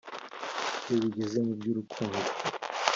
iyo bigeze mu by’urukundo